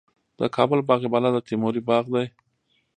د کابل باغ بالا د تیموري باغ دی